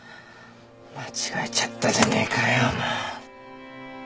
間違えちゃったじゃねえかよ